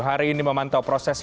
hari ini memantau proses